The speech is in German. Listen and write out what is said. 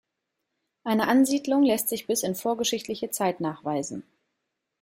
Eine Ansiedlung lässt sich bis in vorgeschichtliche Zeit nachweisen.